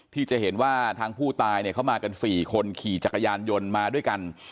ที่จะเห็นว่าทางผู้ตายเนี่ยเขามากัน๔คนขี่จักรยานยนต์มาด้วยกัน